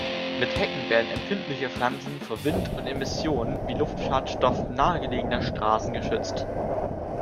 Mit Hecken werden empfindliche Pflanzen vor Wind und Emissionen wie Luftschadstoffen nahegelegener Straßen geschützt.